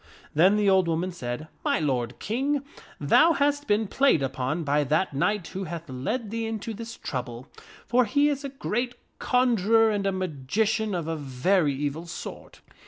Then the old woman said, <4 My lord King, thou hast been played upon by that knight who hath led thee into this trouble, for he is a great conjurer and a magician of a very evil sort.